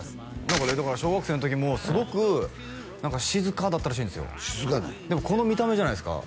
何かねだから小学生の時もすごく静かだったらしいんですよでもこの見た目じゃないですか？